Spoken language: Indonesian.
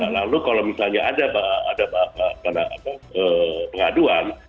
lalu kalau misalnya ada pengaduan